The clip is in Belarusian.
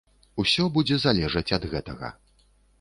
Усё будзе залежаць ад гэтага.